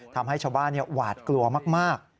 ทำให้ชาวบ้านหวาดกลัวมาก